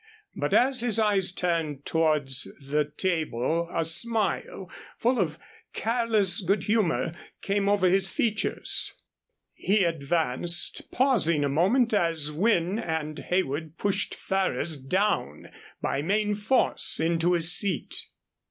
But as his eyes turned towards the table a smile, full of careless good humor, came over his features. He advanced, pausing a moment as Wynne and Heywood pushed Ferrers down by main force into his seat.